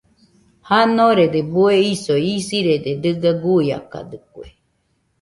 Janore bue isoi isɨrede dɨga guiakadɨkue.